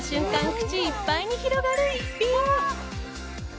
口いっぱいに広がる一品。